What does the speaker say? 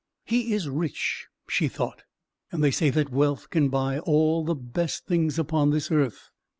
"He is rich," she thought, "and they say that wealth can buy all the best things upon this earth.